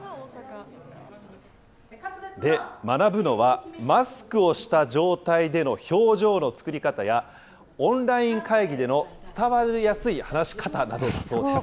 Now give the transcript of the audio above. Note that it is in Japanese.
で、学ぶのは、マスクをした状態での表情の作り方や、オンライン会議での伝わりやすい話し方などだそうです。